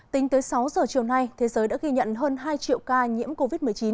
tính tới sáu giờ chiều nay thế giới đã ghi nhận hơn hai triệu ca nhiễm covid một mươi chín